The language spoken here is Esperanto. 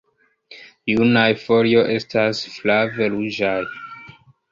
Junaj folio estas flave ruĝaj.